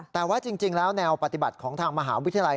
แต่ว่าจริงแล้วแนวปฏิบัติของทางมหาวิทยาลัย